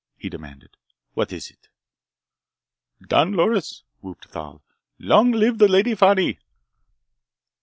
he demanded. "What is it?" "Don Loris!" whooped Thal. "Long Live the Lady Fani!"